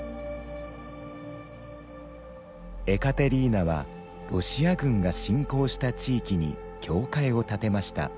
エカテリーナはロシア軍が侵攻した地域に教会を建てました。